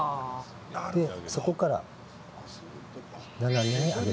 で、そこから斜めに上げていく。